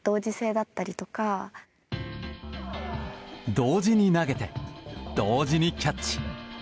同時に投げて同時にキャッチ。